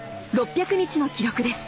６００日の記録です